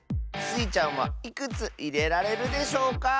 スイちゃんはいくついれられるでしょうか？